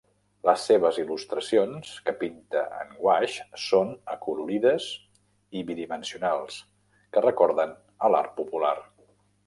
Les seves il·lustracions, que pinta en guaix són acolorides i bidimensionals, que recorden a l'art popular.